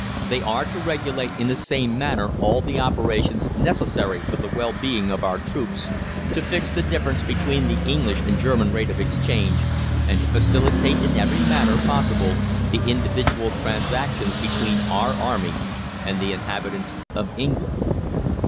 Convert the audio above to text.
They are to regulate in the same manner all the operations necessary for the well being of our troops, to fix the difference between the English and German rate of exchange, and to facilitate in every manner possible the individual transactions between our Army and the inhabitants of England.